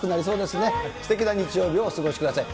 すてきな日曜日をお過ごしください。